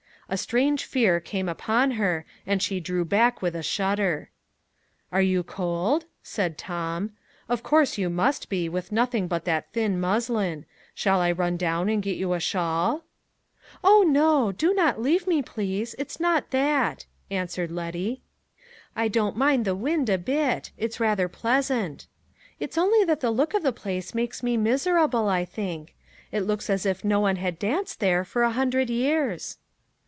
A strange fear came upon her, and she drew back with a shudder. "Are you cold?" said Tom. "Of course you must be, with nothing but that thin muslin! Shall I run down and get you a shawl?" "Oh, no! do not leave me, please. It's not that," answered Letty. "I don't mind the wind a bit; it's rather pleasant. It's only that the look of the place makes me miserable, I think. It looks as if no one had danced there for a hundred years."